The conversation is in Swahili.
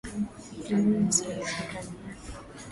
ni wenye asili ya Afrika ni na